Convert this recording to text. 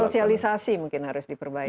sosialisasi mungkin harus diperbaiki